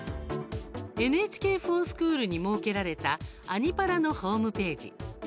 「ＮＨＫｆｏｒＳｃｈｏｏｌ」に設けられた「アニ×パラ」のホームページ。